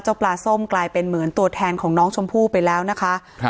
ปลาส้มกลายเป็นเหมือนตัวแทนของน้องชมพู่ไปแล้วนะคะครับ